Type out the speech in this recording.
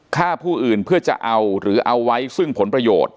ฆ่าผู้อื่นเพื่อจะเอาหรือเอาไว้ซึ่งผลประโยชน์